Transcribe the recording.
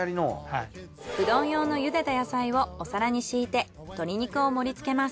うどん用のゆでた野菜をお皿に敷いて鶏肉を盛り付けます。